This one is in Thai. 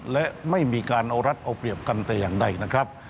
และไม่มีการเอารัฐเอาเปรียบกันแต่อย่างใดนะครับ